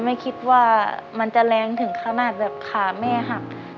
ไม่คิดว่ามันจะแรงถึงขนาดแบบขาแม่หัก